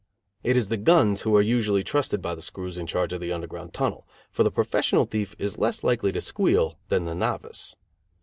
It is the guns who are usually trusted by the screws in charge of the Underground Tunnel, for the professional thief is less likely to squeal than the novice.